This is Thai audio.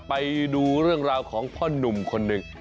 ไปดูเรื่องราวของพ่อนุ่มคนหนึ่ง